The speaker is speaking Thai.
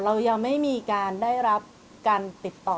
เรายังไม่มีการได้รับการติดต่อ